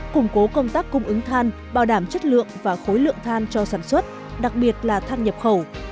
củng cố công tác cung ứng than bảo đảm chất lượng và khối lượng than cho sản xuất đặc biệt là than nhập khẩu